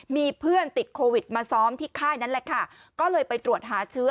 มีเพื่อนติดโควิดมาซ้อมที่ค่ายนั้นแหละค่ะก็เลยไปตรวจหาเชื้อ